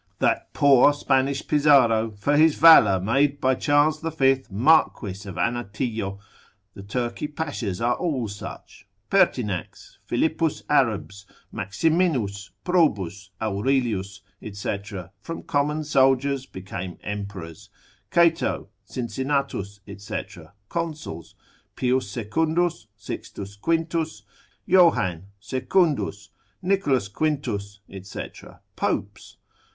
That poor Spanish Pizarro for his valour made by Charles the fifth marquess of Anatillo; the Turkey Pashas are all such. Pertinax, Philippus Arabs, Maximinus, Probus, Aurelius, &c., from common soldiers, became emperors, Cato, Cincinnatus, &c. consuls. Pius Secundus, Sixtus Quintus, Johan, Secundus, Nicholas Quintus, &c. popes.